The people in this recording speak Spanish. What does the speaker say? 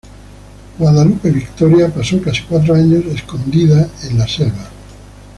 Guadalupe Victoria pasó casi cuatro años escondido en la selva.